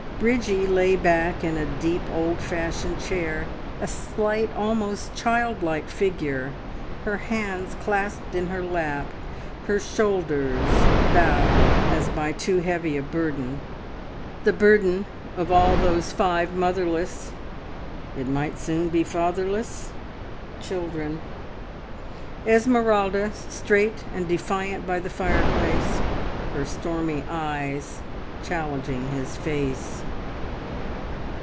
Bridgie lay back in a deep, old fashioned chair, a slight, almost childlike figure, her hands clasped in her lap, her shoulders bowed as by too heavy a burden the burden of all those five motherless, it might soon be fatherless? children. Esmeralda, straight and defiant by the fireplace, her stormy eyes challenging his face.